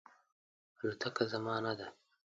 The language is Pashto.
الوتکه زما نه ده